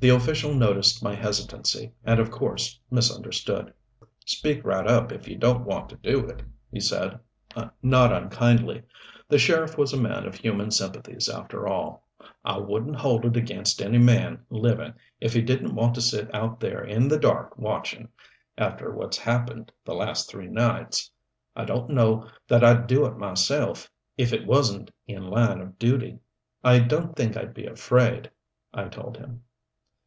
The official noticed my hesitancy, and of course misunderstood. "Speak right up, if you don't want to do it," he said, not unkindly. The sheriff was a man of human sympathies, after all. "I wouldn't hold it against any man living if he didn't want to sit out there in the dark watching after what's happened the last three nights. I don't know that I'd do it myself if it wasn't in line of duty." "I don't think I'd be afraid," I told him.